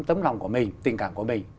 tấm lòng của mình tình cảm của mình